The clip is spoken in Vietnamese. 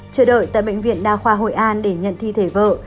chờ đợi tại bệnh viện đa khoa hội an để nhận thi thể vợ